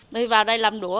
mới vào đây làm đũa